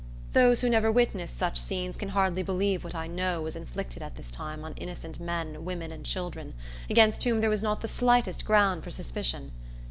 Those who never witnessed such scenes can hardly believe what I know was inflicted at this time on innocent men, women, and children, against whom there was not the slightest ground for suspicion.